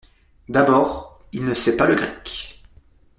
D’abord… il ne sait pas le grec…